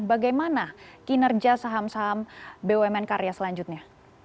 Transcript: bagaimana kinerja saham saham bumn karya selanjutnya